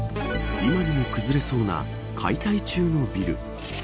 今にも崩れそうな解体中のビル。